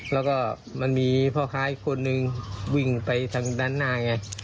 แล้วก็มันมีพ่อค้าอีกคนนึงวิ่งไปทางด้านหน้าไง